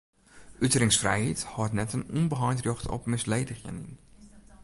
Uteringsfrijheid hâldt net in ûnbeheind rjocht op misledigjen yn.